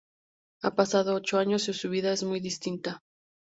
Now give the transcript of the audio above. Han pasado ocho años y su vida es muy distinta...